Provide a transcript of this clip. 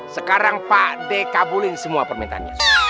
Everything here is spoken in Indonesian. sekarang pade kabulin semua permintaannya